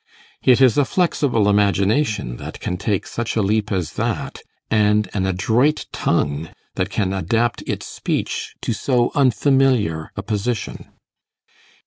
It is a flexible imagination that can take such a leap as that, and an adroit tongue that can adapt its speech to so unfamiliar a position.